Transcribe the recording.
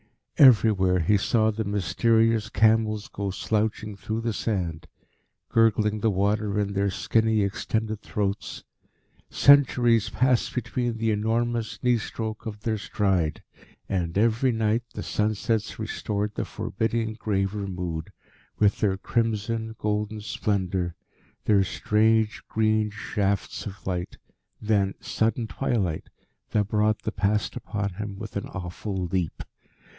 Everywhere he saw the mysterious camels go slouching through the sand, gurgling the water in their skinny, extended throats. Centuries passed between the enormous knee stroke of their stride. And, every night, the sunsets restored the forbidding, graver mood, with their crimson, golden splendour, their strange green shafts of light, then sudden twilight that brought the Past upon him with an awful leap.